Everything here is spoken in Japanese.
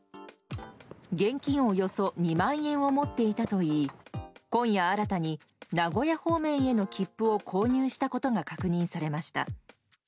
現金およそ２万円を持っていたといい今夜新たに名古屋方面への切符を購入したことが確認されました。